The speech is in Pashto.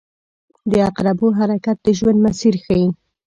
• د عقربو حرکت د ژوند مسیر ښيي.